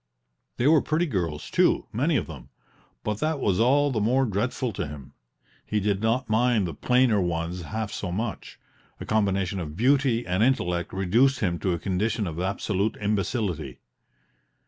They were pretty girls, too, many of them; but that was all the more dreadful to him: he did not mind the plainer ones half so much; a combination of beauty and intellect reduced him to a condition of absolute imbecility.